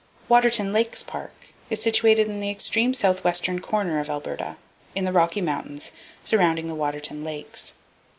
Waterton Lakes Park is situated in the extreme southwestern corner of Alberta, in the Rocky Mountains surrounding the Waterton Lakes.